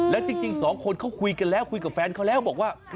แล้วจริงสองคนเขาคุยกันแล้วคุยกับแฟนเขาแล้วบอกว่า